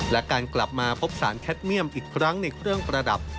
และการกลับมาพบสารแคทเมี่ยมอีกครั้งในเครื่องประดับ